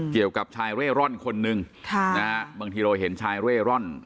เกี่ยวกับชายเร่ร่อนคนนึงบางทีเราเห็นชายเร่ร่อน